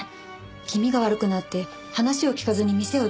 気味が悪くなって話を聞かずに店を出たので。